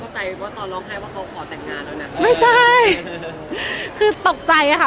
ใจว่าตอนร้องไห้ว่าเขาขอแต่งงานแล้วนะไม่ใช่คือตกใจอ่ะค่ะ